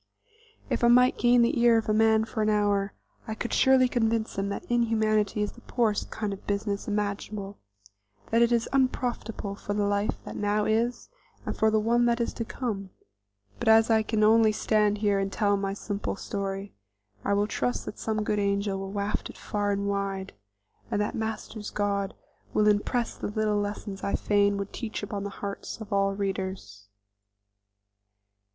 If I might gain the ear of man for an hour, I could surely convince him that inhumanity is the poorest kind of business imaginable; that it is unprofitable for the life that now is and for the one that is to come; but as I can only stand here and tell my simple story, I will trust that some good angel will waft it far and wide, and that Master's God will impress the little lessons I fain would teach upon the hearts of all readers.